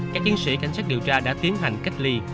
các chiến sĩ cảnh sát điều tra đã tiến hành cách ly